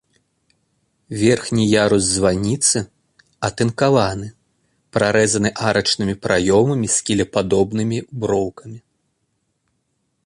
Верхні ярус званіцы, атынкаваны, прарэзаны арачнымі праёмамі з кілепадобнымі броўкамі.